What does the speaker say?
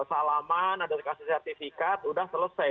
salaman ada kasih sertifikat sudah selesai